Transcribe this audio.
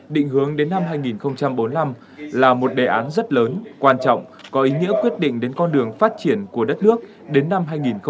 định hướng đến năm hai nghìn bốn mươi năm là một đề án rất lớn quan trọng có ý nghĩa quyết định đến con đường phát triển của đất nước đến năm hai nghìn bốn mươi